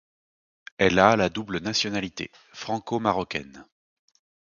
Elle a la double nationalité franco-marocaine.